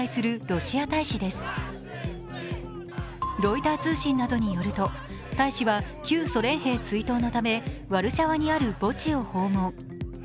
ロイター通信などによると大使は旧ソ連兵追悼のためワルシャワにある墓地を訪問。